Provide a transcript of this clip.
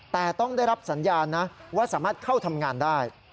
แต่ต้องได้รับสัญญาณนะว่าสามารถเข้าทำงานได้